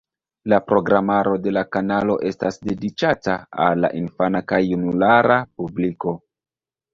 La programaro de la kanalo estas dediĉata al la infana kaj junulara publiko.